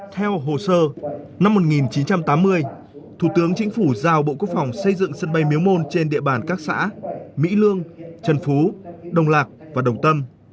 theo hồ sơ năm một nghìn chín trăm tám mươi thủ tướng chính phủ giao bộ quốc phòng xây dựng sân bay miếu môn trên địa bàn các xã mỹ lương trần phú đồng lạc và đồng tâm